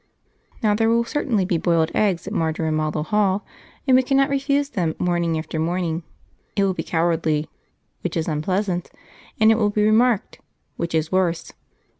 Now there will certainly be boiled eggs at Marjorimallow Hall, and we cannot refuse them morning after morning; it will be cowardly (which is unpleasant), and it will be remarked (which is worse).